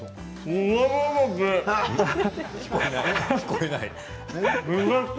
聞こえない。。